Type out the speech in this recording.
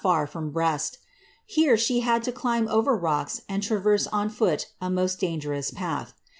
80 not fiir from Brest Here she had to climb over rocks, and tiaverse on ff>ol a most dangerous path.